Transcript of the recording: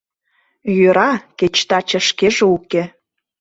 Йӧра, кеч таче шкеже уке.